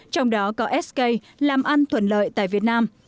trong đó có sk làm ăn thuận lợi tại việt nam